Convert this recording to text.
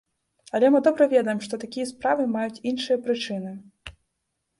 Але мы добра ведаем, што такія справы маюць іншыя прычыны.